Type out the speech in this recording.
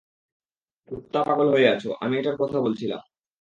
কুত্তা পাগল হয়ে আছো, আমি এটার কথা বলছিলাম।